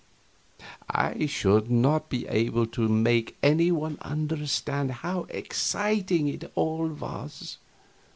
I should not be able to make any one understand how exciting it all was.